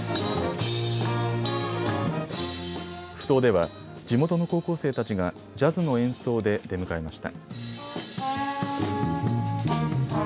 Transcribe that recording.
ふ頭では地元の高校生たちがジャズの演奏で出迎えました。